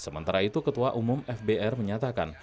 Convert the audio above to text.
sementara itu ketua umum fbr menyatakan